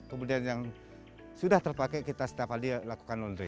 kemudian yang sudah terpakai kita setiap hari lakukan laundry